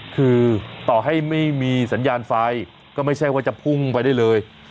คือต่อให้ไม่มีสัญญาณไฟก็ไม่ใช่ว่าจะพุ่งไปได้เลย